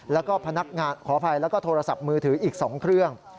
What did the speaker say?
แล้วก็พนักงานขออภัยแล้วก็โทรศัพท์มือถืออีก๒เครื่อง